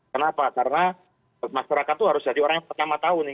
kenapa karena masyarakat itu harus jadi orang yang pertama tahu nih